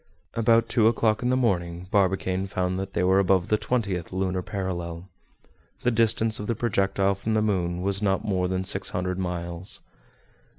About two o'clock in the morning Barbicane found that they were above the twentieth lunar parallel. The distance of the projectile from the moon was not more than six hundred miles.